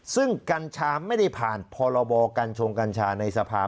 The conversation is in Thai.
ซึ่งกัญชาไม่ได้ผ่านพรบกัญชงกัญชาในสภา